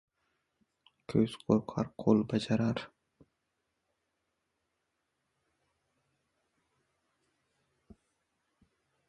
• Ko‘z qo‘rqar, qo‘l bajarar.